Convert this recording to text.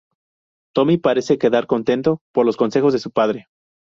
Tommy parece quedar contento por los consejos de su padre.